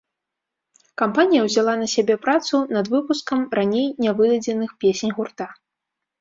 Кампанія ўзяла на сябе працу над выпускам раней нявыдадзеных песень гурта.